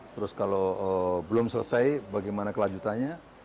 terus kalau belum selesai bagaimana kelanjutannya